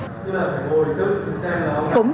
cũng là hồi trước xe